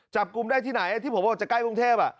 จับกลุ่มได้ที่ไหนที่ผมบอกจะใกล้กรุงเทพ